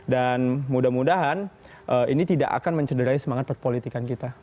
dan mudah mudahan ini tidak akan mencederai semangat perpolitikan kita